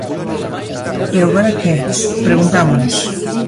¿E agora que?, preguntámonos.